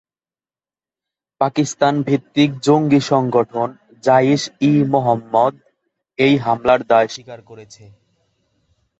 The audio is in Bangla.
পাকিস্তান ভিত্তিক জঙ্গি সংগঠন জাইশ-ই-মোহাম্মদ এই হামলার দায় স্বীকার করেছে।